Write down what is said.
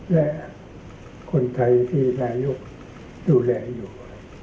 และคนไทยที่นายกดูแลอยู่